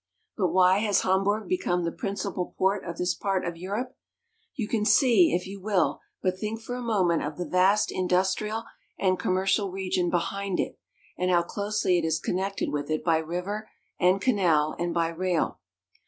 But why has Hamburg become the principal port of this part of Europe? You can see if you will but think for a moment of the vast industrial and commercial region behind it, and how closely it is connected with it by river and canal and by rail.